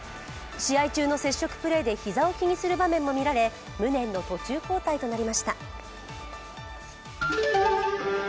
試合中の接触プレーで膝を気にする場面も見られ無念の途中交代となりました。